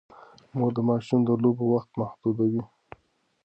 مور د ماشوم د لوبو وخت محدودوي.